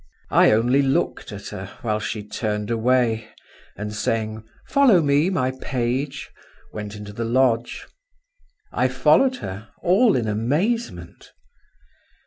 I only looked at her, while she turned away, and saying, "Follow me, my page," went into the lodge. I followed her—all in amazement.